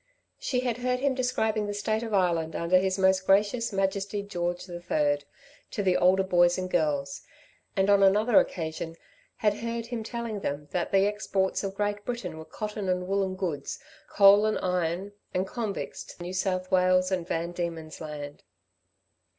She had heard him describing the state of Ireland under His Most Gracious Majesty George III. to the older boys and girls, and on another occasion had heard him telling them that the exports of Great Britain were cotton and woollen goods, coal and iron, and convicts to New South Wales and Van Diemen's Land.